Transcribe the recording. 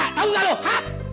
tau gak lo hah